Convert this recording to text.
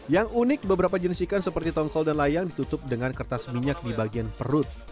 yang unik beberapa jenis ikan seperti tongkol dan layang ditutup dengan kertas minyak di bagian perut